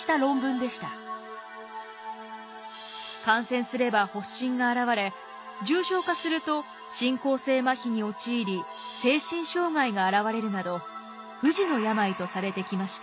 感染すれば発疹が現れ重症化すると進行性まひに陥り精神障害が現れるなど不治の病とされてきました。